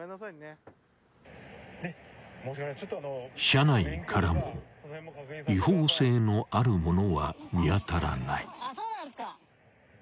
［車内からも違法性のあるものは見当たらない］